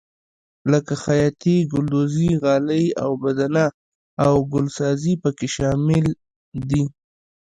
لکه خیاطي ګلدوزي غالۍ اوبدنه او ګلسازي پکې شامل دي.